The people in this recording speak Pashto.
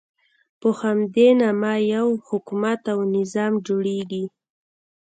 په همدې نامه یو حکومت او نظام جوړېږي.